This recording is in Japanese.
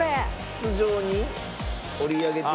筒状に織り上げて。